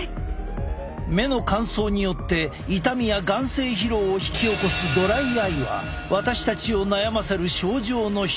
目の乾燥によって痛みや眼精疲労を引き起こすドライアイは私たちを悩ませる症状の一つ。